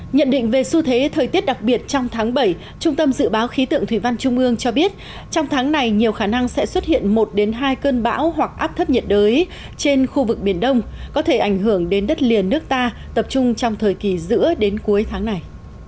nhận định về xu thế thời tiết đặc biệt trong tháng bảy trung tâm dự báo khí tượng thủy văn trung ương cho biết trong tháng này nhiều khả năng sẽ xuất hiện một hai cơn bão hoặc áp thấp nhiệt đới trên khu vực biển đông có thể ảnh hưởng đến đất liền nước ta tập trung trong thời kỳ giữa đến cuối tháng này